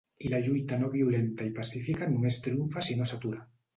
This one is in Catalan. I la lluita no violenta i pacífica només triomfa si no s’atura.